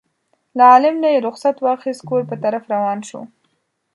له عالم نه یې رخصت واخیست کور په طرف روان شو.